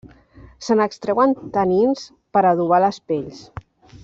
Se n'extreuen tanins per adobar les pells.